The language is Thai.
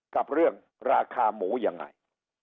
กับเรื่องราคาหมูยังไง